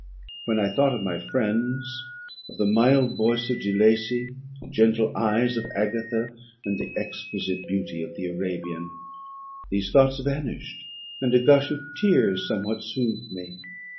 When I thought of my friends, of the mild voice of De Lacey, the gentle eyes of Agatha, and the exquisite beauty of the Arabian, these thoughts vanished, and a gush of tears somewhat soothed me.